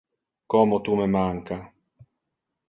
Como tu me manca.